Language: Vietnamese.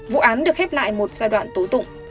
vụ án được khép lại một giai đoạn tố tụng